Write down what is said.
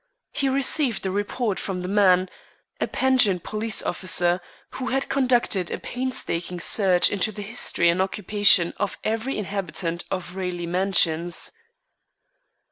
He received a report from the man, a pensioned police officer, who had conducted a painstaking search into the history and occupation of every inhabitant of Raleigh Mansions.